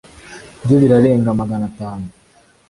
byo birarenga magana atanu